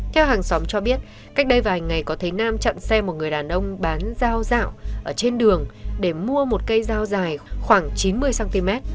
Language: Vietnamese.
theo hàng xóm cho biết cách đây vài ngày có thấy nam chặn xe một người đàn ông bán dao dạo ở trên đường để mua một cây dao dài khoảng chín mươi cm